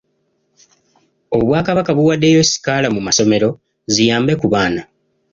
Obwakabaka buwaddeyo sikaala mu masomero ziyambe ku baana.